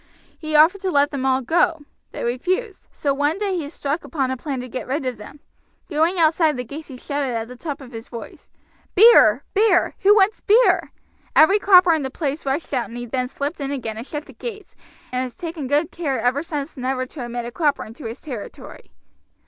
He offered to let them all go. They refused. So one day he struck upon a plan to get rid of them. Going outside the gates he shouted at the top of his voice, 'Beer, beer, who wants beer?' every cropper in the place rushed out, and he then slipped in again and shut the gates, and has taken good care ever since never to admit a cropper into his territory."